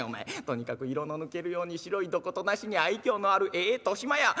「とにかく色の抜けるように白いどことなしに愛きょうのあるええ年増や。